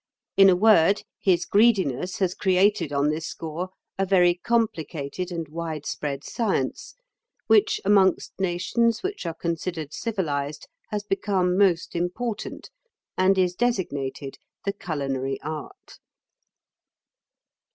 In a word his greediness has created on this score a very complicated and wide spread science, which, amongst nations which are considered civilised, has become most important, and is designated the culinary art."